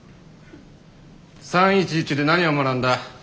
３．１１で何を学んだ？